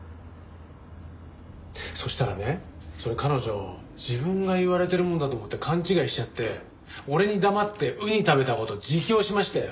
そしたらねそれ彼女自分が言われてるものだと思って勘違いしちゃって俺に黙ってウニ食べた事自供しましたよ。